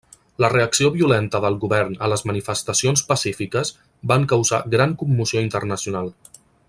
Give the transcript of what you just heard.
La reacció violenta del govern a les manifestacions pacífiques van causar gran commoció internacional.